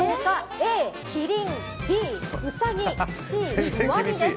Ａ、キリンＢ、ウサギＣ、ワニです。